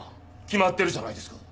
決まってるじゃないですか。